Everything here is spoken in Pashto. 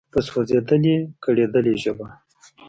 په سوزیدلي، کړیدلي ژبه